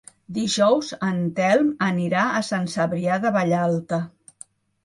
Dijous en Telm anirà a Sant Cebrià de Vallalta.